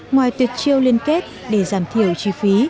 ngoài tuyệt chiêu liên kết để giảm thiểu chi phí